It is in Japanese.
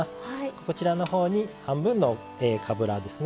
こちらのほうに半分のかぶらですね。